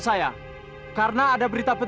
silakan duduk pak pak